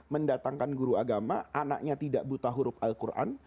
mendatangkan guru agama anaknya tidak buta huruf al quran